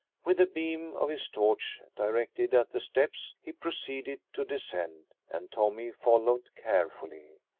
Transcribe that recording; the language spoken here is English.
With the beam of his torch directed at the steps, he proceeded to descend, and Tommy followed carefully.